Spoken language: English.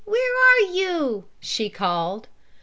Where are you?" she called.